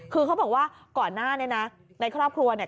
คือเขาบอกว่าก่อนหน้านี้นะในครอบครัวเนี่ย